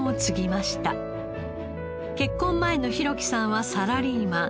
結婚前の弘貴さんはサラリーマン。